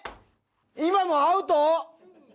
今のアウト？